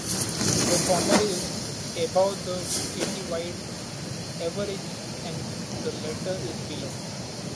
The former is above the citywide average and the latter is below.